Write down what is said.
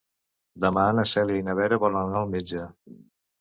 Demà na Cèlia i na Vera volen anar al metge.